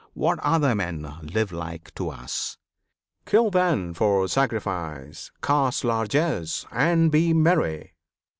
What other men Live like to us? Kill, then, for sacrifice! Cast largesse, and be merry!"